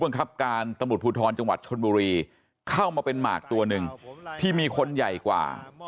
บังคับการตำรวจภูทรจังหวัดชนบุรีเข้ามาเป็นหมากตัวหนึ่งที่มีคนใหญ่กว่า